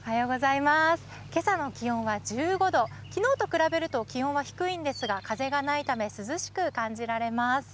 けさの気温は１５度、きのうと比べると気温は低いんですが、風がないため涼しく感じられます。